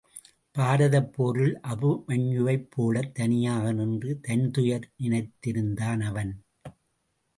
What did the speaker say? பாரதப் போரில் அபிமன்யுவைப் போலத் தனியாக நின்று, தன்துயர் நினைந்திருந்தான் அவன்.